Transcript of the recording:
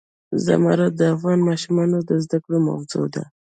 زمرد د افغان ماشومانو د زده کړې موضوع ده.